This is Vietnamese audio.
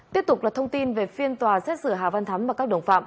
tiếp tục là thông tin về phiên tòa xét xử hà văn thắm và các đồng phạm